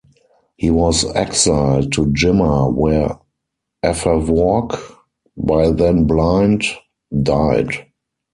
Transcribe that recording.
He was exiled to Jimma where Afaworq, by then blind, died.